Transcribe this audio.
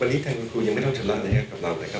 ตอนนี้ทางคุณครูยังไม่ต้องชำระนะครับกับเรานะครับ